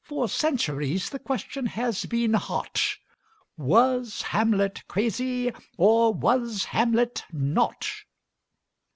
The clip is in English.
For centuries the question has been hot: Was Hamlet crazy, or was Hamlet not?